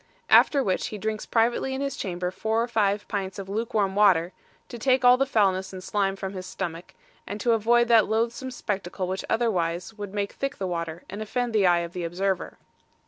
After which he drinks privately in his chamber four or five pints of luke warm water, to take all the foulness and slime from his stomach, and to avoid that loathsome spectacle which otherwise would make thick the water, and offend the eye of the observer.